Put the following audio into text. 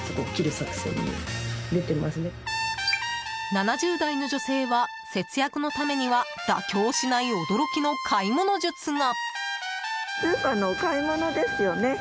７０代の女性は節約のためには妥協しない驚きの買い物術が。